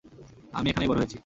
আমি এখানেই বড় হয়েছি।